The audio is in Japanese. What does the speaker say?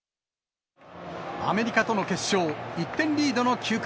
アメリカとの決勝、１点リードの９回。